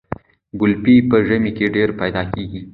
ګلپي په ژمي کې ډیر پیدا کیږي.